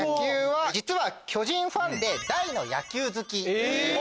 実は巨人ファンで大の野球好き。